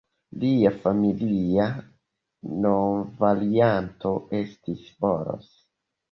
Lia familia nomvarianto estis "Boros".